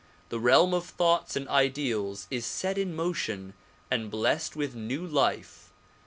The realm of thoughts and ideals is set in motion and blessed with new life.